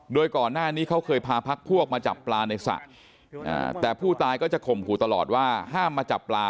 โดยก่อนหน้านี้เขาเคยพาพักพวกมาจับปลาในสระแต่ผู้ตายก็จะข่มขู่ตลอดว่าห้ามมาจับปลา